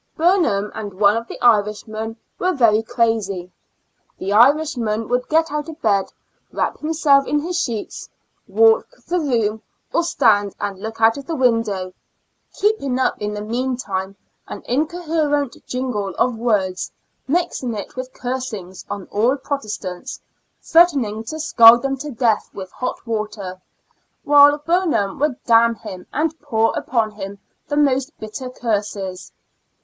Burnham and one of the Irishmen were very crazy. The Irishman would get out of bed, wrap himself in his sheet, walk the room, or stand and look out the win dow, keeping up, in the meantime, an inco herent jingle of words, mixing it with cursings on all Protestants, threatening to scald them to death with hot water; .while Burnham would damn him and pour upon him the most bitter curses.